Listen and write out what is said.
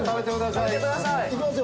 いきますよ。